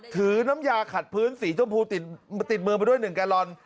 ถือน้ำยาขัดพื้นสีชมพูติดเมลมไปด้วย๑การลอน